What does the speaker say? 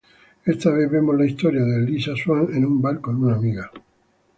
Esta vez vemos la historia de Lisa Swan, en un bar con una amiga.